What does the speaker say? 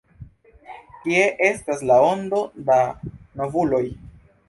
Kie estas la ondo da novuloj?